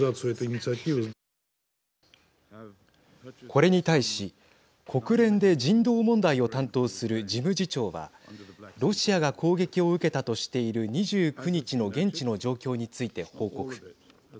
これに対し国連で人道問題を担当する事務次長はロシアが攻撃を受けたとしている２９日の現地の状況について報告。